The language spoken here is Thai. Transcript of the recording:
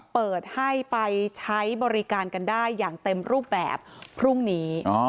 เปิดให้ไปใช้บริการกันได้อย่างเต็มรูปแบบพรุ่งนี้